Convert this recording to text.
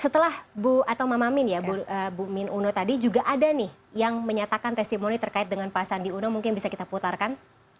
setelah bu atau mama min ya bu min uno tadi juga ada nih yang menyatakan testimoni terkait dengan pak sandi uno mungkin bisa kita putarkan